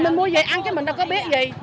mình mua về ăn chứ mình đã có biết gì